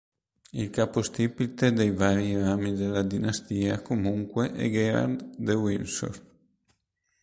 Il capostipite dei vari rami della dinastia comunque è Gerald de Windsor.